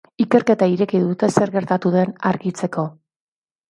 Ikerketa ireki dute zer gertatu den argitzeko.